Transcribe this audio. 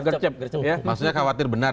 gercep maksudnya khawatir benar